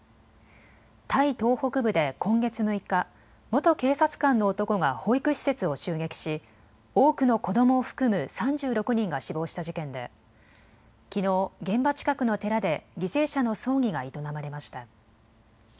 タイ東北部で今月６日、元警察官の男が保育施設を襲撃し多くの子どもを含む３６人が死亡した事件できのう、現場近くの寺で犠牲者の葬儀が営まれました。